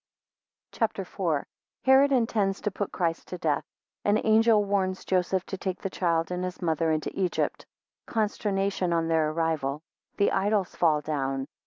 CHAPTER IV. 1 Herod intends to put Christ to death. 3 An angel warns Joseph to take the child and his mother into Egypt. 6 Consternation on their arrival. 13 The idols fall down.